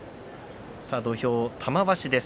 土俵は玉鷲です。